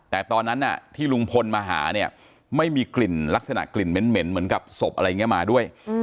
แต่ตอนนั้นที่ลุงพลมาหาเนี่ยไม่มีกลิ่นลักษณะกลิ่นเหม็นเหมือนกับศพอะไรอย่างนี้มาด้วย